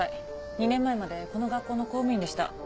２年前までこの学校の校務員でした。